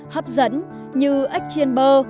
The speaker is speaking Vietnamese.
hấp dẫn như ếch chiên bơ